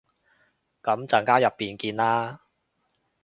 噉陣間入面見啦